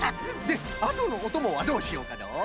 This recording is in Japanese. であとのおともはどうしようかのう？